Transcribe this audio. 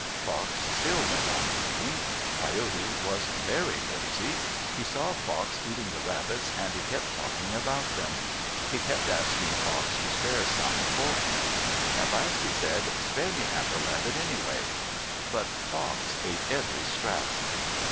Fox still went on eating. Coyote was very lazy. He saw Fox eating the rabbits, and he kept talking about them. He kept asking Fox to spare some for him. At last he said, "Spare me half a rabbit, anyway." But Fox ate every scrap.